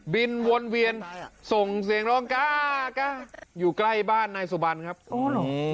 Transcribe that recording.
วนเวียนส่งเสียงร้องก้ากล้าอยู่ใกล้บ้านนายสุบันครับโอ้เหรอ